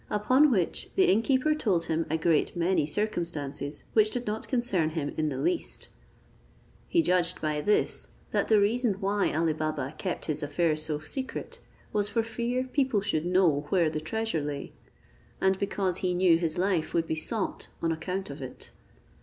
Upon which the inn keeper told him a great many circumstances, which did not concern him in the least. He judged by this, that the reason why Ali Baba kept his affairs so secret, was for fear people should know where the treasure lay; and because he knew his life would be sought on account of it.